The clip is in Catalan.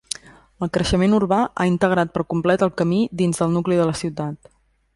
El creixement urbà ha integrat per complet el camí dins el nucli de la ciutat.